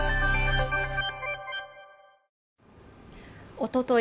おととい